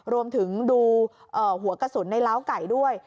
รวมถึงดูหัวกระสุนในล้าวไก่ด้วย